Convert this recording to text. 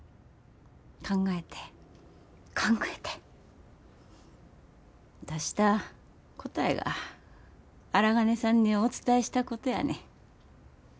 考えて考えて出した答えが荒金さんにお伝えしたことやねん。